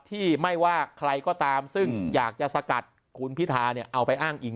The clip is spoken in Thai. ที่ไม่ว่าใครก็ตามซึ่งอยากจะสกัดคุณพิธาเนี่ยเอาไปอ้างอิง